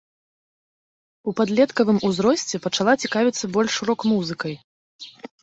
У падлеткавым узросце, пачала цікавіцца больш рок-музыкай.